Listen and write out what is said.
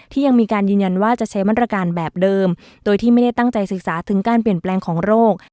ยังมีการยืนยันว่าจะใช้มาตรการแบบเดิมโดยที่ไม่ได้ตั้งใจศึกษาถึงการเปลี่ยนแปลงของโรค